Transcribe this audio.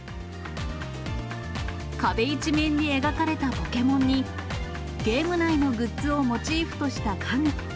壁一面に描かれたポケモンに、ゲーム内のグッズをモチーフとした家具。